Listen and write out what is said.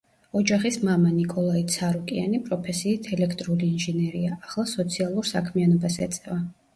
ოჯახის მამა, ნიკოლაი ცარუკიანი, პროფესიით ელექტრული ინჟინერია; ახლა სოციალურ საქმიანობას ეწევა.